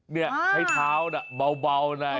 เนี่ยให้เท้าน่ะเบานะ